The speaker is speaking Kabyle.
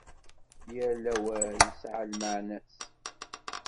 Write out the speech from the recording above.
Yal awal yesɛa lmeɛna-s.